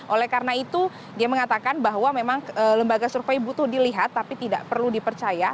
oleh karena itu dia mengatakan bahwa memang lembaga survei butuh dilihat tapi tidak perlu dipercaya